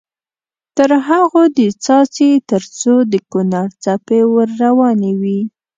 تر هغو دې څاڅي تر څو د کونړ څپې ور روانې وي.